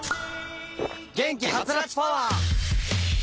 元気ハツラツパワー！